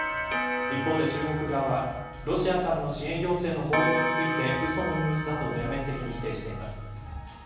一方で中国側はロシアからの支援要請の報道についてうそのニュースだと全面的に否定しています。